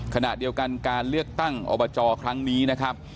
ขณะเดียวกันการเลือกตั้งอบจครั้งนี้นะครับ